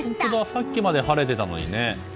さっきまで晴れていたのにね。